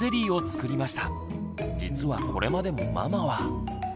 実はこれまでもママは。